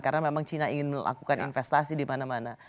karena memang china ingin melakukan investasi di mana mana